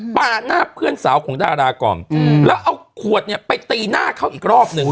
ปาหน้าเพื่อนสาวของดาราก่อนแล้วเอาขวดเนี่ยไปตีหน้าเขาอีกรอบหนึ่ง